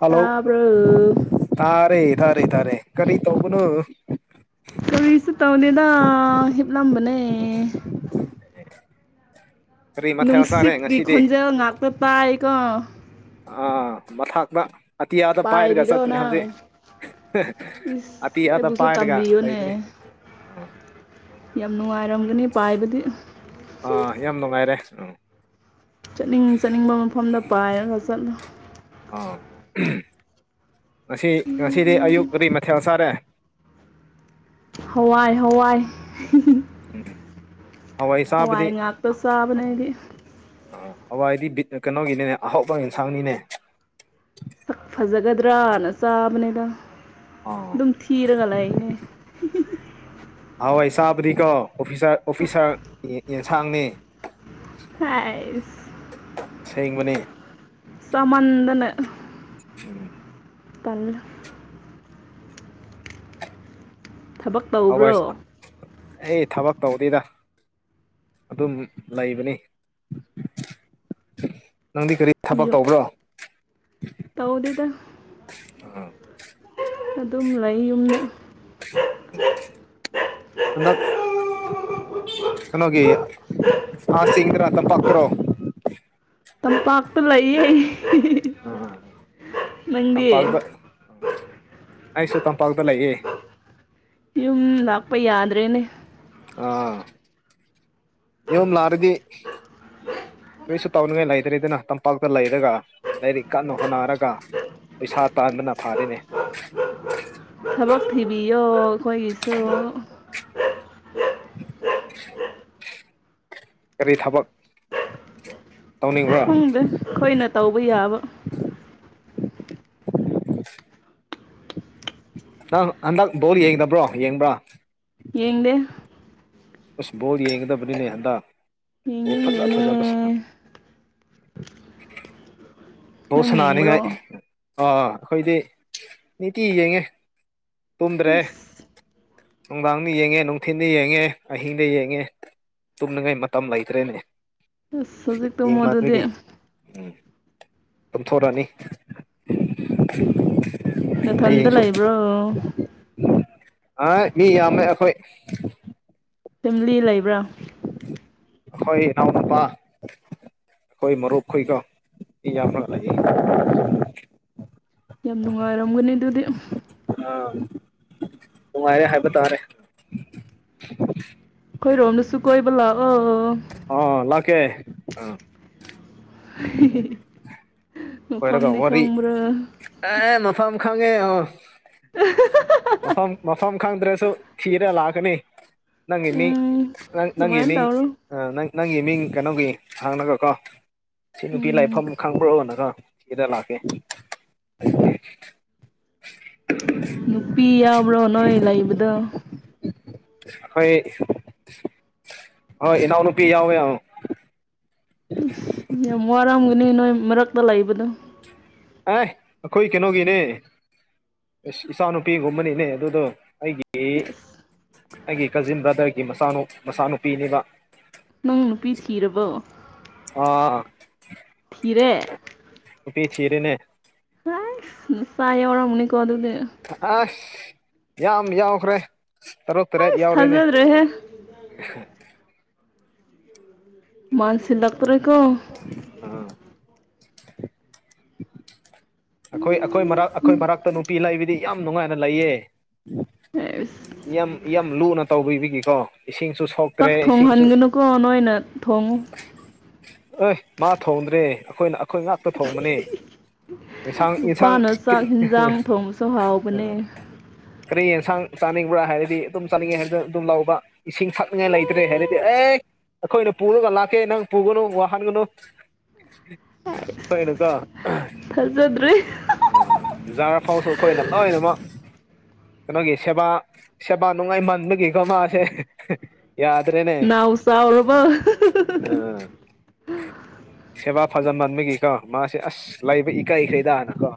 hello ꯇꯥꯕ꯭ꯔꯣ ꯇꯥꯔꯦ ꯇꯥꯔꯦ ꯇꯥꯔꯦ ꯀꯔꯤ ꯇꯧꯕꯅꯣ ꯀꯔꯤꯁꯨ ꯇꯧꯗꯦꯗ ꯍꯤꯞꯂꯝꯕꯅꯦ [inaudible] ꯆꯥꯔꯦ ꯅꯨꯡꯁꯤꯠꯀꯤ ꯉꯁꯤꯗꯤ ꯈꯣꯟꯖꯦꯜ ꯉꯥꯛꯇ ꯇꯥꯏꯀꯣ ꯑꯥ ꯃꯊꯥꯛꯇ ꯑꯇꯤꯌꯥꯗ ꯄꯥꯏꯔꯒ ꯄꯥꯏꯔꯤꯔꯣ ꯆꯠꯄꯅꯦ ꯅꯪ ꯍꯧꯖꯤꯛ ꯏꯁ ꯑꯇꯤꯌꯥꯗ ꯑꯩꯕꯨꯁꯨ ꯄꯥꯏꯔꯒ ꯇꯝꯕꯤꯌꯨꯅꯦ ꯂꯩꯕꯅꯦ ꯑ ꯌꯥꯝ ꯅꯨꯡꯉꯥꯏꯔꯝꯒꯅꯤ ꯄꯥꯏꯕꯗꯤ ꯑꯥ ꯌꯥꯝ ꯅꯨꯡꯉꯥꯏꯔꯦ ꯆꯠꯅꯤꯡ ꯆꯠꯅꯤꯡꯕ ꯃꯐꯝꯗ ꯄꯥꯏꯔꯒ ꯆꯠꯂꯨ ꯑꯥ ꯉꯁꯤ ꯉꯁꯤꯗꯤ ꯑꯌꯨꯛ ꯀꯔꯤ ꯃꯊꯦꯜ ꯆꯥꯔꯦ ꯍꯋꯥꯏ ꯍꯋꯥꯏ ꯎꯝ ꯍꯋꯥꯏ ꯆꯥꯕꯗꯤ ꯉꯥꯛꯇ ꯆꯥꯕꯅꯦ ꯑꯥ ꯑꯩꯗꯤ ꯑꯥ ꯍꯋꯥꯏꯗꯤ ꯕꯤꯠ ꯀꯩꯅꯣꯒꯤꯅꯦ ꯑꯍꯥꯎꯕ ꯏꯟꯁꯥꯡꯅꯤꯅꯦ ꯁꯛ ꯐꯖꯒꯗ꯭ꯔꯥꯅ ꯆꯥꯕꯅꯦꯗ ꯑꯥ ꯗꯨꯝ ꯊꯤꯔꯒ ꯂꯩꯌꯦꯅꯦ ꯍꯋꯥꯏ ꯆꯥꯕꯗꯤꯀꯣ ꯑꯣꯐꯤꯁꯥ ꯑꯣꯐꯤꯁꯥꯔ ꯏꯟ ꯏꯟꯁꯥꯡꯅꯦ ꯍꯥꯏꯁ ꯁꯦꯡꯕꯅꯤ ꯆꯥꯃꯟꯗꯅ ꯎꯝ ꯇꯜꯂꯦ ꯊꯕꯛ ꯍꯋꯥꯏ ꯇꯧꯕ꯭ꯔꯣ ꯑꯩ ꯊꯕꯛ ꯇꯧꯗꯦꯗ ꯑꯗꯨꯝ ꯂꯩꯕꯅꯤ ꯅꯪꯗꯤ ꯀꯔꯤ ꯊꯕꯛ ꯌꯨꯝ ꯇꯧꯕ꯭ꯔꯣ ꯇꯧꯗꯦꯗ ꯑꯗꯨꯝ ꯂꯩ ꯌꯨꯝꯗ ꯍꯟꯗꯛ ꯀꯩꯅꯣꯒꯤ ꯀꯀ꯭ꯔꯣꯝ ꯇꯝꯄꯥꯛꯥꯛꯄ ꯂꯩ ꯅꯪꯗꯤ ꯇꯝꯄꯥꯛꯇ ꯑꯩꯁꯨ ꯇꯝꯄꯥꯛꯇ ꯂꯩꯌꯦ ꯌꯥꯗ ꯔꯦꯅꯦ ꯑꯥ ꯌꯦ ꯂꯔꯗꯤ ꯀꯔꯤꯁꯨ ꯇꯥꯎꯅꯤꯡꯉꯥꯏ ꯂꯩꯇ꯭ꯔꯦꯗꯅ ꯇꯝꯄꯥꯛꯇ ꯂꯩꯔꯒ ꯂꯥꯏꯔꯤꯛ ꯀꯟꯅ ꯍꯣꯠꯅꯔꯒ ꯄꯩꯁꯥ ꯇꯥꯟꯕꯅ ꯐꯥꯔꯤꯅꯦ ꯌꯣ ꯀꯣꯏꯁꯨ [inaudible] ꯀꯔꯤ ꯊꯕꯛ ꯇꯧꯅꯤꯡꯕ꯭ꯔꯣ ꯊꯨꯡꯗ ꯑꯩꯣꯏꯅ ꯇꯧꯕ ꯌꯥꯕ ꯎ ꯅꯪ ꯍꯟꯗꯛ ꯕꯣꯜ ꯌꯦꯡꯗꯕ꯭ꯔꯣ ꯌꯦꯡꯕ꯭ꯔꯣ ꯌꯦꯅꯤꯡꯗꯤꯦ ꯄꯨ ꯕꯣꯜ ꯌꯦꯡꯒꯗꯕꯅꯤꯅꯦ ꯑꯟꯗ ꯑꯣ ꯐꯖ ꯌꯦꯡꯅꯤꯡꯗꯦꯅꯦ ꯐꯖꯕꯁ ꯑꯣ ꯅꯪ ꯁꯅꯥꯅꯤ ꯉ ꯌꯦꯡꯕ꯭ꯔꯣ ꯑꯥ ꯑꯩꯈꯣꯏꯗꯤ ꯅꯤꯇꯤ ꯌꯦꯡꯉꯦ ꯇꯨꯝꯗ꯭ꯔꯦ ꯑꯁ ꯅꯨꯡꯗꯥꯡꯗ ꯌꯦꯡꯉꯦ ꯅꯨꯡꯊꯤꯤꯟꯜꯗ ꯌꯦꯡꯉꯦ ꯑꯍꯤꯡꯗ ꯌꯦꯡꯉꯦ ꯇꯨꯝꯅꯉꯥꯏ ꯃꯇꯝ ꯂꯩꯇ꯭ꯔꯦꯅꯦ ꯑꯁ ꯍꯧꯖꯤꯛ ꯇꯨꯝꯃꯣ ꯑꯗꯨꯗꯤ ꯃꯥꯊꯒꯤ ꯎꯝ ꯑꯗꯨꯝꯊꯣꯔꯅꯤ ꯅꯊꯟꯗ ꯂꯩꯕ꯭ꯔꯣ ꯑ ꯃꯤ ꯌꯥꯝꯃꯦ ꯑꯩꯈꯣꯏ ꯇꯤꯝꯂꯤ ꯂꯩꯕ꯭ꯔꯥ ꯍꯣꯏ ꯏꯎ ꯅꯄꯥ ꯑꯩꯈꯣꯏ ꯃꯔꯨꯨꯞ ꯈꯀꯣ ꯌꯥꯝ ꯂꯩ ꯌꯥꯝ ꯅꯨꯡꯉꯥꯏꯔꯝꯒꯅꯤ ꯑꯗꯨꯗꯤ ꯑꯥ ꯅꯨꯡꯉꯥꯏꯔꯦ ꯍꯥꯏꯕ ꯇꯥꯔꯦ ꯀꯣꯏꯔꯣꯝꯅꯁꯨ ꯀꯣꯏꯕ ꯂꯥꯛꯑꯣ ꯑ ꯂꯀꯦ [inaudible] ꯀꯣꯏꯔꯒ ꯃꯐꯝꯗꯤ ꯋꯥꯔꯤ ꯈꯪꯕ꯭ꯔꯥ ꯑꯦ ꯃꯐꯝ ꯈꯉꯦ ꯑ ꯄ ꯄꯊ ꯈꯪꯗ꯭ꯔꯁꯨ ꯊꯤꯔ ꯂꯥꯛꯀꯅꯤ ꯅꯪꯒꯤ ꯃꯤꯡ ꯎꯝ ꯅꯪ ꯅꯪꯒꯤ ꯑꯗꯨꯃꯥꯏꯅ ꯃꯤꯡ ꯇꯧꯔꯣ ꯅꯪ ꯅꯪꯒꯤ ꯃꯤꯡ ꯀꯩꯅꯣꯒꯤ ꯅꯍꯥꯡꯅꯒꯀꯣ ꯁꯤ ꯅꯨꯄꯤ ꯎꯝ ꯂꯥꯏꯐꯝ ꯈꯪꯕ꯭ꯔꯛꯕꯅꯀꯣ ꯍꯔ ꯂꯥꯛꯀꯦ ꯅꯨꯄꯤ ꯌꯥꯎꯕ꯭ꯔꯣ ꯅꯣꯏ ꯂꯩꯕꯗꯣ ꯍꯣꯏ ꯍꯣꯏ ꯏꯅꯥꯎꯅꯨꯄꯤ ꯌꯥꯎꯋꯦ ꯌꯥꯝ ꯋꯥꯔꯝꯒꯅꯤ ꯅꯣꯏ ꯃꯔꯛꯇ ꯂꯥꯛꯏꯕꯗꯣ ꯑꯦ ꯑꯩꯈꯣꯏ ꯀꯩꯅꯣꯒꯤꯅꯦ ꯏꯁꯁ ꯏꯆꯥꯅꯨꯄꯤꯒꯨꯝꯕꯅꯤꯅꯦ ꯑꯗꯨꯗꯣ ꯑꯩꯒꯤ ꯑꯁ ꯑꯩꯒꯤ ꯀꯖꯤꯟ ꯕ꯭ꯔꯗꯔꯒꯤ ꯃꯆꯥꯅꯨꯄꯤꯅꯤꯕ ꯅꯪ ꯅꯨꯄꯤ ꯊꯤꯔꯕꯣ ꯑꯥ ꯏꯔꯦ ꯎꯄꯤꯦ ꯆꯤꯔꯅꯦ ꯆꯥꯏꯧꯔꯥ ꯃꯨꯅꯤ ꯑꯁ ꯌꯥꯝ ꯌꯥꯎꯈ꯭ꯔꯦ ꯇꯔꯨꯛ ꯇꯔꯦꯠ ꯑꯁ ꯌꯥꯎꯔꯤꯅꯦ ꯊꯥꯖꯗ꯭ꯔꯦꯍꯦ ꯃꯥꯟꯁꯤꯜ ꯂꯛꯇꯔꯦꯀꯣ ꯑꯥ [unintelligible] ꯑꯩꯈꯣꯏ ꯑꯩꯈꯣꯏ ꯃꯔꯛ ꯑꯩꯈꯣꯏ ꯃꯔꯛꯇ ꯅꯨꯄꯤ ꯂꯩꯕꯤꯗꯤ ꯌꯥꯝ ꯅꯨꯡꯉꯥꯏꯅ ꯂꯩꯌꯦ ꯑꯁ ꯌꯥꯝ ꯌꯥꯝ ꯂꯨꯅ ꯇꯧꯕꯤꯕꯒꯤꯀꯣ ꯏꯁꯤꯡꯁꯨ ꯁꯣꯛꯇ꯭ꯔꯦ ꯆꯥꯛ ꯏꯁꯤꯡꯁꯨ ꯊꯣꯡꯍꯟꯒꯅꯨꯀꯣ ꯅꯣꯏꯅ ꯊꯣꯡꯉꯨ ꯑꯦ ꯃꯥ ꯊꯣꯡꯗ꯭ꯔꯦ ꯑꯩꯈꯣꯏꯅ ꯑꯩꯈꯣꯏ ꯉꯥꯛꯇ ꯊꯣꯡꯕꯅꯦ ꯌꯦꯟꯁꯥꯡ ꯌꯦꯟꯁꯥꯡ ꯅꯨꯄꯥꯅ ꯆꯥꯛ ꯍꯤꯟꯖꯥꯡ ꯊꯣꯡꯕꯁꯨ ꯍꯥꯎꯕꯅꯦ ꯀꯔꯤ ꯌꯦꯟꯁꯥꯡ ꯆꯥꯅꯤꯡꯕ꯭ꯔ ꯍꯥꯏꯔꯗꯤ ꯑꯗꯨꯝ ꯆꯥꯅꯤꯡꯉꯦ ꯍꯥꯏꯔꯅ ꯑꯗꯨꯝ ꯂꯧꯕ ꯏꯁꯤꯡ ꯊꯛꯅꯤꯡꯉꯥꯏ ꯂꯩꯇ꯭ꯔꯦ ꯍꯥꯏꯔꯗꯤ ꯑꯦ ꯑꯩꯈꯣꯏꯅ ꯄꯨꯔꯒ ꯂꯥꯛꯀꯦ ꯅꯪ ꯄꯨꯒꯅꯨ ꯋꯥꯍꯟꯒꯅꯨ ꯑꯩꯈꯣꯏꯅꯀꯣ ꯊꯥꯖꯗ꯭ꯔꯦ ꯖꯥꯔ ꯐꯥꯎꯁꯨ ꯑꯩꯈꯣꯏꯅ ꯂꯣꯏꯅꯃꯛ ꯀꯩꯅꯣꯒꯤ ꯁꯦꯕꯥ ꯁꯦꯕꯥ ꯅꯨꯡꯉꯥꯏꯃꯟꯕꯒꯤꯀꯣ ꯃꯥꯁꯦ ꯌꯥꯗ꯭ꯔꯦꯅꯦ ꯅꯥꯎ ꯆꯥꯎꯔꯕꯣ ꯑꯝ ꯁꯦꯕꯥ ꯐꯖꯃꯟꯕꯒꯤꯀꯣ ꯃꯥꯁꯦ ꯑꯁ ꯂꯩꯕ ꯏꯀꯥꯏꯈꯔꯦꯗꯅ ꯀꯣ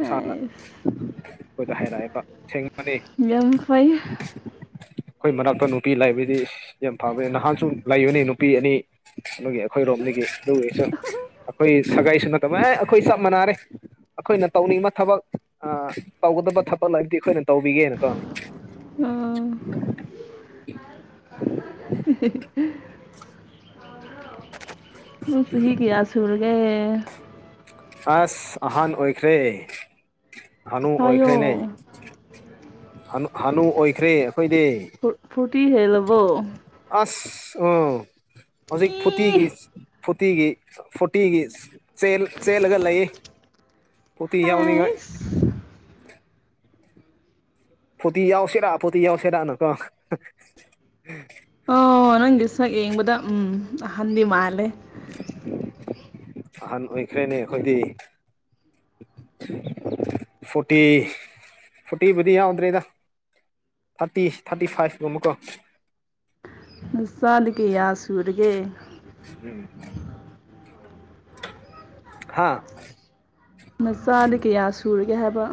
ꯏꯁꯥꯅ ꯑꯩꯈꯣꯏꯗ ꯍꯥꯏꯔꯛꯑꯦꯕ ꯃꯅꯤ ꯌꯥꯝ ꯐꯩ ꯑꯩꯈꯣꯏ ꯃꯅꯥꯛꯇ ꯅꯨꯄꯤ ꯂꯩꯕꯗꯤ ꯌꯥꯝ ꯐꯕꯅꯤ ꯅꯍꯥꯟꯁꯨ ꯂꯩꯕꯅꯤ ꯅꯨꯄꯤ ꯑꯅꯤ ꯑꯗꯨꯒꯤ ꯑꯩꯈꯣꯏꯔꯣꯝꯗꯒꯤ ꯑꯗꯨꯒꯤꯁꯨ ꯑꯩꯈꯣꯏ ꯁꯥꯒꯩꯁꯨ ꯅꯠꯇꯕ ꯑꯦ ꯑꯩꯈꯣꯏ ꯆꯞ ꯃꯥꯟꯅꯔꯦ ꯑꯩꯈꯣꯏꯅ ꯇꯧꯅꯤꯡꯕ ꯊꯕꯛ ꯑ ꯇꯧꯒꯗꯕ ꯊꯕꯛ ꯂꯩꯔꯗꯤ ꯑꯩꯈꯣꯏꯅ ꯇꯧꯕꯤꯒꯦꯅꯀꯣ ꯑꯥ [unintelligible] [unintelligible] ꯅꯪ ꯆꯍꯤ ꯀꯌꯥ ꯁꯨꯔꯒꯦ ꯑꯁ ꯑꯍꯟ ꯑꯣꯏꯈ꯭ꯔꯦ ꯍꯥꯥꯅꯨ ꯍꯥꯏꯌꯣ ꯑꯣꯏꯈ꯭ꯔꯦꯅꯦ ꯍꯅꯨ ꯑꯣꯏꯈ꯭ꯔꯦ ꯑꯩꯈꯣꯏꯗꯤ ꯇꯤ ꯍꯦꯜꯂꯕꯣ ꯎ ꯍꯧꯖꯤꯛ ꯐꯣꯔꯇꯤꯒꯤ ꯏ ꯐꯣꯔꯇꯤꯒꯤ ꯐꯣꯔꯇꯤꯒꯤ ꯆꯦꯜ ꯆꯦꯜꯂꯒ ꯂꯩꯌꯦ ꯐꯣꯔꯇꯤ ꯌꯧꯅꯤꯉꯥꯏ ꯍꯥꯏꯁ ꯐꯣꯔꯇꯤ ꯌꯧꯁꯤꯔ ꯐꯣꯔꯇꯤ ꯌꯧꯁꯤꯔꯅ ꯀꯣ ꯑꯣ ꯅꯪꯒꯤ ꯁꯛ ꯌꯦꯡꯕꯗ ꯎꯝ ꯑꯍꯟꯗꯤ ꯃꯥꯜꯂꯦ ꯑꯍꯟ ꯑꯣꯏꯈ꯭ꯔꯦꯅꯦ ꯑꯩꯈꯣꯏꯗꯤ ꯐꯣꯔꯇꯤ ꯐꯣꯔꯇꯤꯕꯨꯗꯤ ꯌꯥꯎꯗꯔꯦꯗ ꯊꯥꯔꯇꯤ ꯊꯥꯔꯇꯤ ꯐꯥꯏꯕꯀꯨꯝꯕꯀꯣ ꯅꯆꯥꯗꯤ ꯀꯌꯥ ꯁꯨꯔꯒꯦ ꯎꯝ ꯍꯥꯥ ꯅꯆꯥꯗꯤ ꯀꯌꯥ ꯁꯨꯔꯒꯦ ꯍꯥꯏꯕ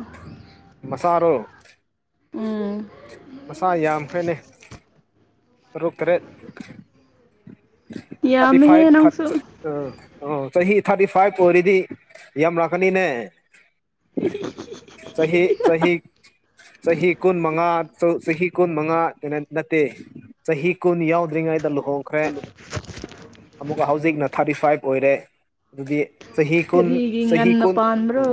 ꯃꯆꯥꯔꯣ ꯎꯝ ꯃꯆꯥ ꯌꯥꯝꯈꯔꯦꯅꯦ ꯇꯔꯨꯛ ꯇꯔꯦꯠ ꯊꯥꯔꯇꯤ ꯌꯥꯝꯃꯦꯍꯦ ꯐꯥꯏꯚ ꯅꯪꯁꯨ ꯊꯥꯔ ꯑ ꯑ ꯆꯍꯤ ꯊꯥꯔꯇꯤ ꯐꯥꯏꯚ ꯑꯣꯏꯔꯤꯗꯤ ꯌꯥꯝ ꯂꯛꯀꯅꯤꯅꯦ ꯆꯍꯤ ꯆꯍꯤ ꯆꯍꯤ ꯀꯨꯟ ꯃꯉꯥ ꯆꯍꯤ ꯀꯨꯟ ꯃꯉꯥ ꯅꯠꯇꯦ ꯆꯍꯤ ꯀꯨꯟ ꯌꯧꯗ꯭ꯔꯤꯉꯩꯗ ꯂꯨꯍꯣꯡ [unintelligible] ꯑꯃꯨꯛꯀ ꯍꯧꯖꯤꯛꯅ ꯊꯥꯔꯇꯤ ꯐꯥꯏꯚ ꯑꯣꯏꯔꯦ ꯑꯗꯨꯗꯤ ꯆꯍꯤ ꯀꯨꯟ ꯀꯔꯤꯒꯤ ꯆꯍꯤ ꯉꯟꯅ ꯀꯨꯟ ꯄꯥꯟꯕ꯭ꯔꯣ ꯑ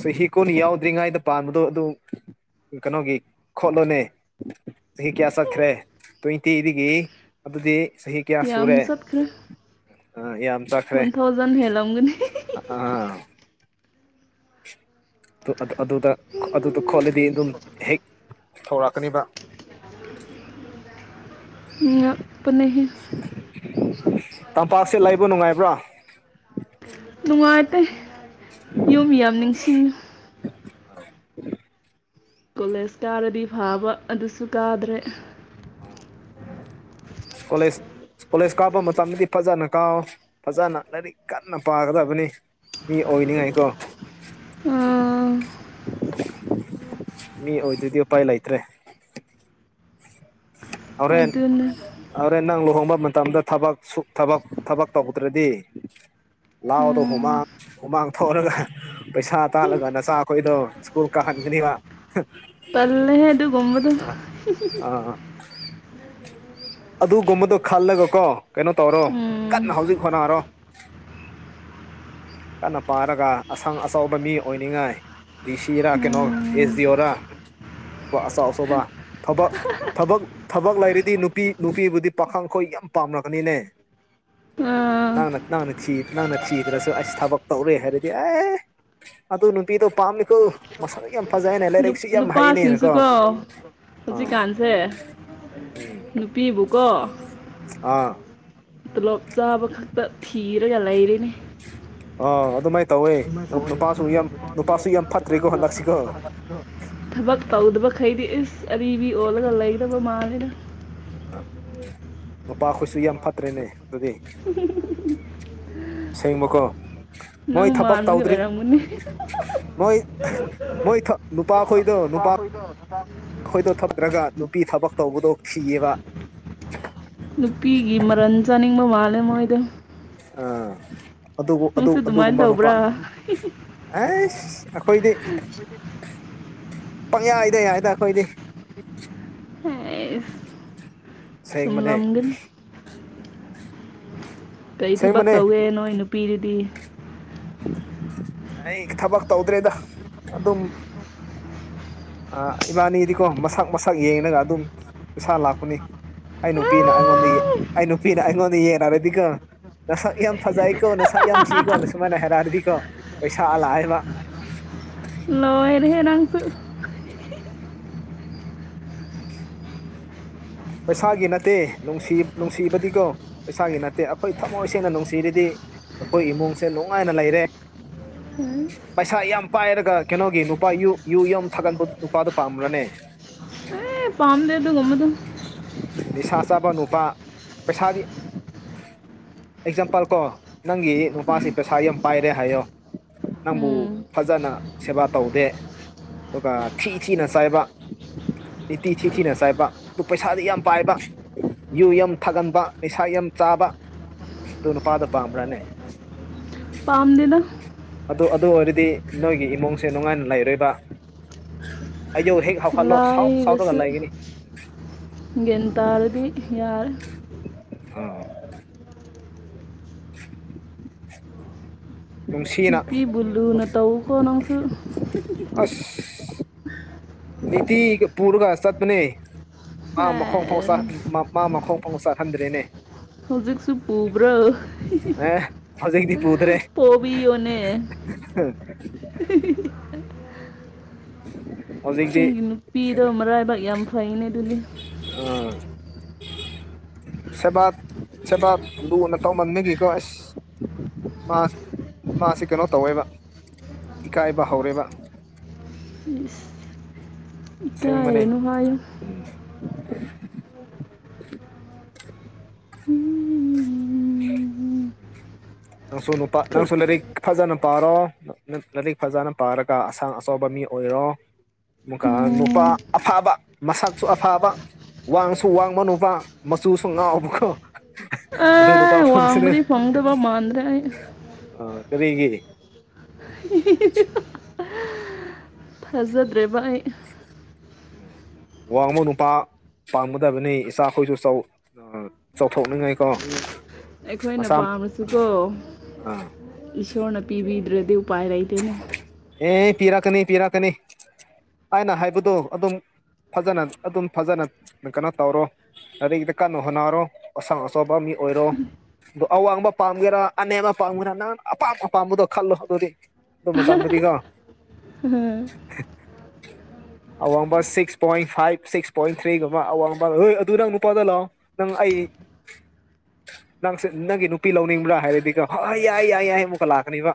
ꯆꯍꯤ ꯀꯨꯟ ꯌꯧꯗ꯭ꯔꯤꯉꯩꯗ ꯄꯥꯟꯕꯗꯣ ꯑꯗꯨ ꯀꯩꯅꯣꯒꯤ ꯈꯣꯠꯂꯣꯅꯦ ꯆꯍꯤ ꯀꯌꯥ ꯆꯠꯈ꯭ꯔꯦ ꯇ꯭ꯋꯦꯟꯇꯤꯗꯒꯤ ꯑꯗꯨꯗꯤ ꯆꯍꯤ ꯌꯥ ꯑꯃ ꯆꯠꯈ꯭ꯔꯦ ꯑ ꯌꯥꯝ ꯆꯠꯈ꯭ꯔꯦ ꯋꯥꯟ ꯊꯥꯎꯖꯟ ꯍꯦꯜꯂꯝꯒꯅꯤ ꯑ ꯑꯗꯨꯗ ꯈꯣꯠꯂꯗꯤ ꯑꯗꯨꯝ ꯍꯦꯛ ꯊꯔꯛꯀꯅꯤꯕ [inaudible] ꯉꯛꯄꯅꯦ ꯇꯝꯄꯥꯛꯁꯦ ꯂꯩꯕ ꯅꯨꯡꯉꯥꯏꯕ꯭ꯔꯥ ꯅꯨꯡꯉꯥꯏꯇꯦ ꯌꯨꯝ ꯌꯥꯝ ꯅꯤꯡꯁꯤꯡꯉꯨ ꯀꯣꯂꯦꯖ ꯀꯥꯔꯗꯤ ꯐꯥꯕ ꯑꯗꯨꯁꯨ ꯀꯥꯗ꯭ꯔꯦ ꯀꯣꯂꯦꯖ ꯀꯣꯂꯦꯖ ꯀꯥꯞꯄ ꯃꯇꯝꯗꯗꯤ ꯐꯖꯅ ꯀꯥꯑꯣ ꯐꯖꯅ ꯂꯥꯏꯔꯤꯛ ꯀꯟꯅ ꯄꯥꯒꯗꯕꯅꯤ ꯃꯤ ꯑꯣꯏꯅꯤꯉꯥꯏꯀꯣ ꯎꯥ ꯃꯤ ꯑꯣꯏꯗꯗꯤ ꯎꯄꯥꯏ ꯂꯩꯇ꯭ꯔꯦ ꯍꯣꯔꯦꯟ ꯑꯗꯨꯅ ꯍꯣꯔꯦꯟ ꯅꯪ ꯂꯨꯍꯣꯡꯕ ꯃꯇꯝꯗ ꯊꯕ ꯊꯕꯛ ꯇꯧꯗ꯭ꯔꯗꯤ ꯂꯥꯎꯗꯣ ꯍꯨꯃꯥꯡ ꯍꯨꯃꯥꯡ ꯊꯣꯛꯔꯒ ꯄꯩꯁꯥ ꯇꯥꯜꯂꯒ ꯅꯆꯥꯈꯣꯏꯗꯣ ꯁ꯭ꯀꯨꯜ ꯀꯥꯍꯟ ꯏꯅꯤ ꯋꯥ ꯄꯜꯂꯦꯍꯦ ꯑꯗꯨ ꯀꯝꯕꯗ ꯑꯥ ꯑꯥ ꯑꯗꯨꯒꯨꯝꯕꯗꯣ ꯈꯜꯂꯒ ꯀꯣ ꯀꯩꯅꯣ ꯇꯧꯔꯣ ꯀꯟꯅ ꯍꯧꯖꯤꯛ ꯍꯣꯠꯅꯔꯣ ꯀꯟꯅ ꯄꯥꯔꯒ ꯑꯁꯪ ꯑꯆꯥꯎꯕ ꯃꯤ ꯑꯣꯏꯅꯤꯡꯉꯥꯏ ꯗꯤ ꯁꯤ ꯔ ꯀꯩꯅꯣ ꯑꯦꯁꯗꯤ ꯑꯣ ꯔ ꯑꯆꯧ ꯑꯆꯧꯕ ꯊꯕꯛ ꯊꯕꯛ ꯊꯕꯛ ꯂꯩꯔꯤꯗꯤ ꯅꯨꯄꯤ ꯅꯨꯄꯤꯕꯨꯗꯤ ꯄꯥꯈꯪꯈꯣꯏ ꯌꯥꯝ ꯄꯥꯝꯅꯛꯒꯅꯤꯅꯦ ꯑꯥ ꯅꯪꯅ ꯅꯅ ꯊꯤ ꯅꯪꯅ ꯊꯤꯗ꯭ꯔꯁꯨ ꯑꯁ ꯊꯕꯛ ꯇꯧꯔꯦ ꯍꯥꯏꯔꯗꯤ ꯑꯦ ꯑꯗꯨ ꯅꯨꯄꯤꯗꯣ ꯄꯥꯝꯃꯤꯀꯣ ꯃꯁꯥꯗ ꯌꯥꯝ ꯐꯖꯩꯅꯦ ꯂꯥꯏꯔꯤꯛꯁꯨ ꯌꯥꯝ ꯍꯩꯅꯦꯅꯀꯣ ꯅꯨꯄꯥꯁꯤꯡꯁꯨꯀꯣ ꯑꯥ ꯍꯧꯖꯤꯛꯀꯥꯟꯁꯦ ꯎꯝ ꯅꯨꯄꯤꯕꯨꯀꯣ ꯑꯥ ꯇꯂꯣꯞ ꯆꯥꯕ ꯈꯛꯇ ꯊꯤꯔꯒ ꯂꯩꯔꯤꯅꯦ ꯑ ꯑꯗꯨ ꯃꯥꯏ ꯌꯥꯝ ꯐꯠꯇ꯭ꯔꯦꯀꯣ ꯍꯟꯗꯛꯁꯤꯀꯣ ꯊꯕꯛ ꯄ ꯎꯗꯕ ꯈꯩꯗꯤ ꯏꯁ ꯑꯔꯤꯕ ꯑꯣꯜꯂꯒ ꯂꯩꯗꯕ ꯃꯥꯅꯤꯅ ꯅꯨꯄꯥꯈꯠꯁꯨ ꯌꯥꯝ ꯐꯠꯇ꯭ꯔꯦꯅꯦ ꯑꯗꯨꯗꯤ ꯁꯦꯡꯕꯀꯣ ꯅꯪ ꯃꯣꯏ ꯊꯕꯛ ꯃꯥꯟꯕꯒꯤ ꯇꯧꯗ꯭ꯔꯤ ꯑꯣꯏꯔꯝꯒꯅꯤ ꯃꯣꯏ ꯃꯣꯏ ꯅꯨꯄꯥ ꯈꯣꯏꯗꯣ ꯅꯨꯄꯥ ꯑꯩꯈꯣꯏꯗꯣ ꯊꯗ꯭ꯔꯒ ꯅꯨꯄꯤ ꯊꯕꯛ ꯇꯧꯕꯗꯣ ꯊꯤꯌꯦꯕ ꯅꯨꯄꯤꯒꯤ ꯃꯔꯟ ꯆꯥꯅꯤꯡꯕ ꯃꯥꯜꯂꯦ ꯃꯣꯏꯗ ꯑ ꯑꯗꯨ ꯑꯗꯨ ꯑꯗꯨꯒꯨꯝꯕ ꯅꯨꯄꯥ ꯇꯧꯕ꯭ꯔꯥ ꯑꯦ ꯑꯈꯣꯏꯗ ꯄꯪ ꯌꯥꯏꯗ ꯌꯥꯏꯗ ꯑꯩꯈꯣꯏꯗꯤ ꯍꯩꯁ ꯁꯦꯡꯕꯅꯦ ꯆꯨꯝꯂꯝꯒꯅꯤ ꯎꯝ ꯀꯔꯤ ꯊꯕꯛ ꯇꯧꯒꯦ ꯅꯣꯏ ꯅꯨꯄꯤꯗꯨꯗꯤ ꯑꯩ ꯊꯕꯛ ꯇꯧꯗ꯭ꯔꯦꯗ ꯑꯗꯨꯝ ꯑ ꯏꯕꯥꯅꯤꯗꯤꯀꯣ ꯃꯁꯛ ꯃꯁꯛ ꯌꯦꯡꯉꯒ ꯑꯗꯨꯝ ꯄꯩꯁꯥ ꯂꯥꯛꯄꯅꯤ ꯑꯩ ꯅꯨꯄꯤꯅ ꯑꯩꯉꯣꯟꯗ ꯑꯥꯏ ꯑꯩ ꯅꯨꯄꯤꯅ ꯑꯩꯉꯣꯟꯗ ꯌꯦꯡꯅꯔꯗꯤꯒ ꯅꯁꯛ ꯌꯥꯝ ꯐꯖꯩꯀꯣ ꯅꯁꯛ ꯌꯥꯝ ꯊꯤꯀꯣ ꯅ ꯁꯨꯃꯥꯏꯅ ꯍꯥꯏꯔꯥꯔꯗꯤꯀꯣ ꯄꯩꯁꯥꯂꯥꯛꯑꯦꯕ ꯂ ꯦ ꯔꯥꯡꯁꯨ ꯄꯩꯁꯥꯒꯤ ꯅꯠꯇꯦ ꯅꯨꯡ ꯅꯨꯡꯁꯤꯕꯗꯤꯀꯣ ꯄꯩꯁꯥꯒꯤ ꯅꯠꯇꯦ ꯑꯩꯈꯣꯏ ꯊꯃꯣꯏ ꯁꯦꯡꯅ ꯅꯨꯡꯁꯤꯔꯤꯗꯤ ꯑꯩꯈꯣꯏ ꯏꯃꯨꯡꯁꯦ ꯅꯨꯡꯉꯥꯏꯅ ꯂꯩꯔꯦ ꯎꯝ ꯄꯩꯁꯥ ꯌꯥꯝ ꯄꯥꯏꯔꯒ ꯀꯩꯅꯣꯒꯤ ꯅꯨꯄꯥ ꯌꯨ ꯌꯨꯝ ꯊꯥꯒꯟꯕ ꯅꯨꯄꯥꯗꯨꯣ ꯄꯥꯝ꯭ꯔꯅꯦ ꯑꯦ ꯄꯥꯝꯗ ꯑꯗꯨ ꯒꯨꯟ ꯕꯗꯣ ꯅꯤꯁꯥ ꯆꯥꯕ ꯅꯨꯄꯥ ꯄꯩꯁꯥꯗꯤ ꯑꯦꯛꯖꯥꯝꯄꯜ ꯀꯣ ꯅꯪꯒꯤ ꯅꯨꯄꯥꯁꯤ ꯄꯩꯁꯥ ꯌꯥꯝ ꯄꯥꯏꯔꯦ ꯍꯥꯏꯌꯣ ꯅꯪꯕꯨ ꯎꯝ ꯐꯖꯅ ꯁꯦꯕꯥ ꯇꯧꯗꯦ ꯑꯗꯨꯒ ꯊꯤꯊꯤꯅ ꯆꯥꯏꯕ ꯅꯤꯇꯤ ꯊꯤꯊꯤꯅ ꯆꯥꯏꯕ ꯑꯗꯨ ꯄꯩꯁꯥꯗꯤ ꯌꯥꯝ ꯄꯥꯏꯕ ꯌꯨ ꯌꯥꯝ ꯊꯥꯒꯟꯕ ꯂꯩꯩꯁꯥ ꯌꯥꯝ ꯆꯥꯕ ꯑꯗꯨꯅ ꯄꯥꯗ ꯄꯔꯥꯅꯦ ꯄꯥꯝꯗꯦꯗ ꯑꯗꯨ ꯑꯗꯨ ꯑꯣꯏꯔꯗꯤ ꯅꯣꯏꯒꯤ ꯏꯃꯨꯡꯁꯦ ꯅꯨꯡꯉꯥꯏꯅ ꯂꯩꯔꯣꯏꯕ ꯑꯌ ꯍꯦꯛ ꯍꯧꯒꯠꯂꯣ ꯁꯥꯎ ꯁꯥꯎꯔꯒ ꯂꯥꯏꯔꯁꯨ ꯂꯩꯒꯅꯤ ꯒꯟꯇꯥꯥꯔꯗꯤ ꯌꯥꯔ ꯑꯥ [unintelligible] ꯅꯨꯡꯁꯤꯅ ꯅꯨꯄꯤꯕꯨ ꯂꯨꯅ ꯇꯧꯀꯣ ꯅꯪꯁꯨ ꯑꯁ ꯃꯇꯤ ꯄꯔꯒ ꯆꯠꯄꯅꯦ ꯃꯥ ꯃꯈꯣꯡ ꯐꯥꯎ ꯃꯥ ꯃꯈꯣꯡ ꯐꯥꯎ ꯆꯠꯍꯟꯗ꯭ꯔꯦꯅꯦ ꯍꯧꯖꯤꯛꯁꯨ ꯄꯨꯕꯔꯣ ꯍꯖꯤꯦꯛꯗꯤꯞ ꯎꯗ꯭ꯔꯦ ꯄꯕꯤꯌꯣꯅꯦ ꯍꯧꯖꯤꯛꯗꯤ ꯄꯤꯗ ꯃꯔꯥꯏꯕꯥꯛ ꯌꯥꯝ ꯐꯩꯅꯦ ꯑꯗꯨꯗꯤ [unintelligible] ꯁꯕꯥꯥꯛ ꯆꯦꯕꯥꯠ ꯂ ꯅꯠꯇꯣ ꯃꯃꯤꯒꯤꯀꯣ ꯑꯦꯁ ꯃꯥ ꯃꯥꯁꯤ ꯀꯩꯅꯣ ꯇꯧꯋꯦꯕ ꯏꯀꯥꯏꯕ ꯍꯧꯔꯦꯕ ꯏꯁ ꯑꯁꯦꯕꯅꯦ ꯏꯀꯥꯏꯔꯅꯨ ꯍꯥꯏꯌꯨ ꯎꯝ [unintelligible] ꯅꯪꯁꯨ ꯅꯨꯄꯥ ꯅꯪꯁꯨ ꯂꯥꯏꯔꯤꯛ ꯐꯖꯅ ꯄꯥꯔꯣ ꯂꯥꯏꯔꯤꯛ ꯐꯖꯅ ꯄꯥꯔꯒ ꯑꯁꯥꯡ ꯑꯆꯧꯕ ꯃꯤ ꯑꯣꯏꯔꯣ ꯃꯨꯀ ꯅꯨꯄꯥ ꯎꯝ ꯑꯐꯥꯕ ꯃꯁꯛꯁꯨ ꯑꯐꯥꯕ ꯋꯥꯪꯁꯨ ꯋꯥꯪꯕꯥ ꯅꯨꯄꯥ ꯃꯆꯨꯁꯨ ꯉꯥꯎꯕꯀꯣ ꯑꯗꯨ ꯅꯨꯄꯥ ꯑꯦ ꯐꯪꯁꯤꯅꯦ ꯋꯥꯡꯕꯗꯤ ꯐꯪꯗꯕ ꯃꯥꯟꯗ꯭ꯔꯦ ꯑꯩ ꯑ ꯀꯔꯤꯒꯤ [unintelligible] ꯊꯥꯖꯗ꯭ꯔꯦꯕ ꯑꯩ ꯎꯝ ꯋꯥꯪꯕ ꯅꯨꯄꯥ ꯄꯥꯝꯒꯗꯕꯅꯤ ꯏꯆꯥꯈꯣꯏꯁꯨ ꯆꯥꯎꯊꯣꯛꯅꯤꯡꯉꯥꯏꯀꯣ ꯑꯩꯈꯣꯏꯅ ꯃꯁꯥ ꯄꯥꯝꯃꯁꯨꯀꯣ ꯑꯥ ꯏꯁꯣꯔꯅ ꯄꯤꯕꯤꯗ꯭ꯔꯦ ꯗꯤ ꯄꯥꯏꯔꯩꯗꯅ ꯑꯦ ꯄꯤꯔꯛꯀꯅꯤ ꯄꯤꯔꯛꯀꯅꯤ ꯑꯩꯅ ꯍꯥꯏꯕꯗꯣ ꯑꯗꯨꯝ ꯐꯖꯅ ꯑꯗꯨꯝ ꯐꯖꯅ ꯀꯩꯅꯣ ꯇꯧꯔꯣ ꯂꯔꯤꯗ ꯀꯟꯅ ꯍꯣꯠꯅꯔꯣ ꯑꯁꯪ ꯑꯆꯧꯕ ꯃꯤ ꯑꯣꯏꯔꯣ ꯑꯗꯣ ꯑꯋꯥꯡꯕ ꯄꯥꯝꯒꯦꯔꯥ ꯑꯅꯦꯝꯕ ꯄꯥꯝꯒꯦꯔꯥ ꯅꯪꯅ ꯑꯄꯥꯝ ꯑꯄꯥꯝꯕꯗꯣ ꯈꯜꯂꯣ ꯑꯗꯨꯗꯣꯗꯤ ꯑꯗꯨ ꯃ ꯆꯥꯟꯗ ꯇꯒ ꯑꯋꯥꯡꯕ six point five six point ꯊ꯭ꯔꯤꯒꯨꯝꯕ ꯑꯋꯥꯡꯕꯄꯥ ꯍꯣꯏ ꯑꯗꯨ ꯅꯪ ꯅꯨꯄꯥꯗ ꯂꯥꯛꯑꯣ ꯅꯪ ꯑꯩ [unintelligible] ꯅꯪꯁꯦ ꯅꯪꯒꯤ ꯅꯨꯄꯤ ꯂꯧꯅꯤꯡꯕ꯭ꯔꯥ ꯍꯥꯏꯔꯗꯤꯀꯣ ꯌꯥꯏ ꯌꯥꯏ ꯌꯥꯏ ꯑꯃꯨꯛꯀ ꯂꯥꯛꯀꯅꯤꯕ